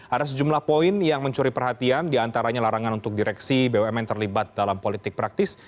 ada sejumlah poin yang mencuri perhatian diantaranya larangan untuk direksi bumn terlibat dalam politik praktis